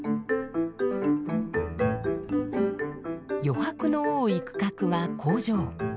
余白の多い区画は工場。